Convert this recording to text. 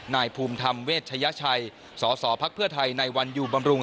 นายภูมิธรรมเวชยชัยสสพักเพื่อไทยในวันอยู่บำรุง